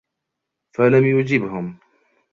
فَلَمْ يُجِبْهُمْ